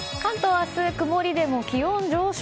明日曇りでも気温上昇。